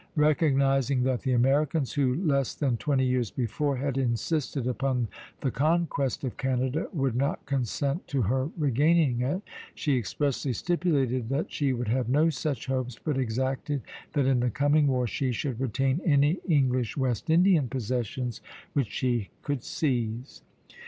Recognizing that the Americans, who less than twenty years before had insisted upon the conquest of Canada, would not consent to her regaining it, she expressly stipulated that she would have no such hopes, but exacted that in the coming war she should retain any English West Indian possessions which she could seize.